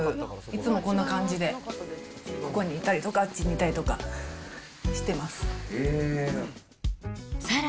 いつもこんな感じで、ここにいたりとか、あっちにいたりとかしてます。